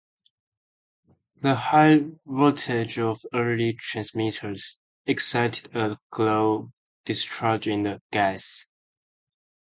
The high voltage of early transmitters excited a glow discharge in the gas.